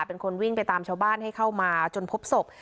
เป็นคนวิ่งไปตามชาวบ้านให้เข้ามาจนพบศพ